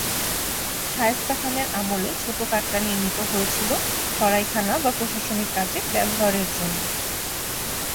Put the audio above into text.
শায়েস্তা খানের আমলে ছোট কাটরা নির্মিত হয়েছিল সরাইখানা বা প্রশাসনিক কাজে ব্যবহারের জন্য।